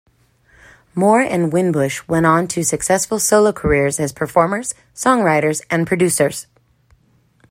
Moore and Winbush went on to successful solo careers as performers, songwriters, and producers.